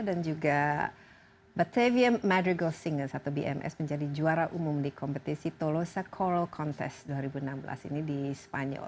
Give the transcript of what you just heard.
dan juga batavia madrigal singles atau bms menjadi juara umum di kompetisi tolosa choral contest dua ribu enam belas ini di spanyol